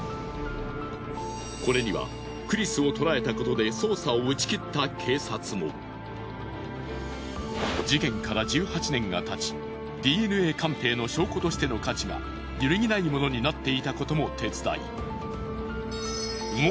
これにはクリスを捕らえたことで事件から１８年が経ちＤＮＡ鑑定の証拠としての価値が揺るぎないものになっていたことも手伝い。